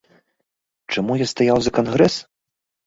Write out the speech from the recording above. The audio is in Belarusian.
Чаму я стаяў за кангрэс?